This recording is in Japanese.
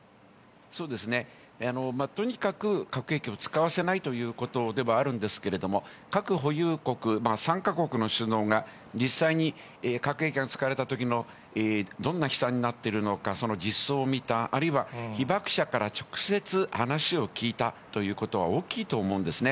そうですね、とにかく核兵器を使わせないということでもあるんですけれども、核保有国、３か国の首脳が、実際に核兵器が使われたときのどんな悲惨になっているのか、その実相を見た、被爆者から直接話を聞いたことも大きいと思うんですね。